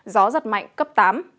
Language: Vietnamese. gió giật mạnh cấp tám